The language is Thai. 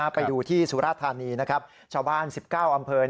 ไปดูที่ศุราชธานีชาวบ้าน๑๙อำเภอ